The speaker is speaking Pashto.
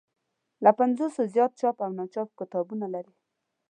له پنځوسو زیات چاپ او ناچاپ کتابونه لري.